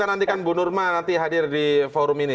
kita nantikan bu nurma nanti hadir di forum ini